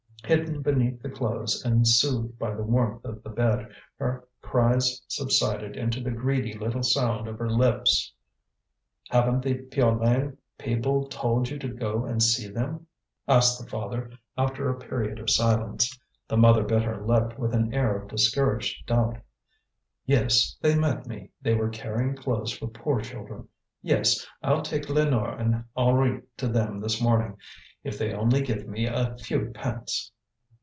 Hidden beneath the clothes and soothed by the warmth of the bed, her cries subsided into the greedy little sound of her lips. "Haven't the Piolaine people told you to go and see them?" asked the father, after a period of silence. The mother bit her lip with an air of discouraged doubt. "Yes, they met me; they were carrying clothes for poor children. Yes, I'll take Lénore and Henri to them this morning. If they only give me a few pence!"